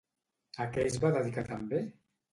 A què es va dedicar també?